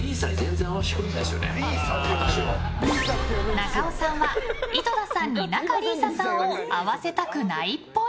中尾さんは井戸田さんに仲里依紗さんを会わせたくないっぽい。